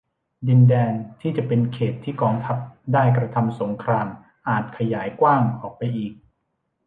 ดินแดนที่จะเป็นเขตต์ที่กองทัพได้กระทำสงครามอาจขยายกว้างออกไปอีก